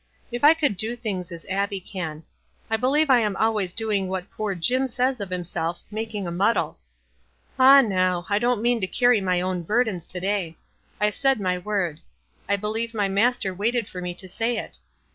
If I could do things as Abbic can. I believe I am always doing what poor Jim sa}~s of himself, f making a muddle.' Ah, now, I don't mean to carry my own burdens to day. I said my word. I believe my Master wailed for me to say it.